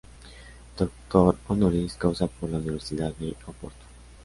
Doctor honoris causa por la Universidad de Oporto.